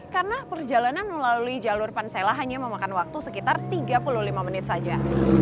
karena perjalanan melalui jalur pansela hanya memakan waktu sekitar tiga puluh lima menit saja